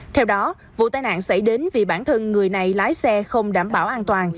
theo đó vụ tai nạn xảy đến vì bản thân người này lái xe không đảm bảo an toàn